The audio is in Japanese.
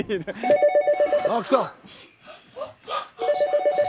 ☎あっ来た。